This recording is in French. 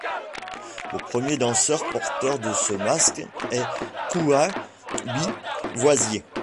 Le premier danseur porteur de ce masque est Kouaï Bi Voïzié.